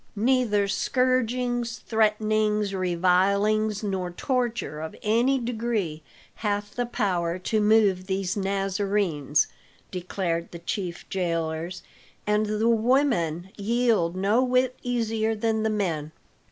"Neither scourgings, threatenings, revilings, nor torture of any degree hath the power to move these Nazarenes," declared the chief jailers; "and the women yield no whit easier than the men."